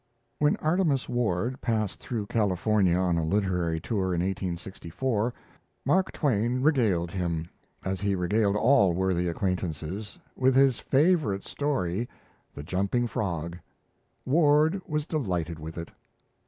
When Artemus Ward passed through California on a literary tour in 1864, Mark Twain regaled him as he regaled all worthy acquaintances with his favourite story, 'The Jumping Frog'. Ward was delighted with it.